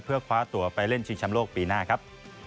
เพื่อคว้าตัวไปเล่นชิงชำโลกปีหน้าครับ